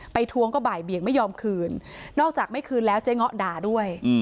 ทวงก็บ่ายเบียงไม่ยอมคืนนอกจากไม่คืนแล้วเจ๊ง้อด่าด้วย